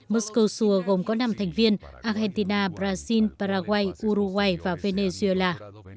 moscosur gồm có năm thành viên argentina brazil paraguay uruguay và venezuela